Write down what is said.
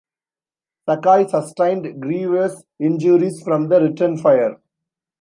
Sakai sustained grievous injuries from the return fire.